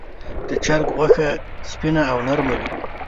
د چرګ غوښه سپینه او نرمه وي.